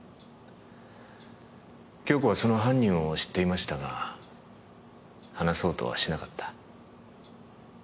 杏子はその犯人を知っていましたが話そうとはしなかった。